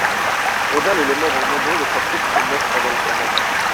Rodal et les membres nombreux de sa troupe sont morts pendant le combat.